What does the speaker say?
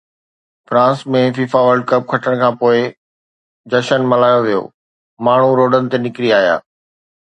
France ۾ FIFA world cup کٽڻ کانپوءِ جشن ملهايو ويو، ماڻهو روڊن تي نڪري آيا